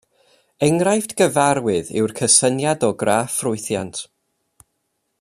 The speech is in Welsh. Enghraifft gyfarwydd yw'r cysyniad o graff ffwythiant.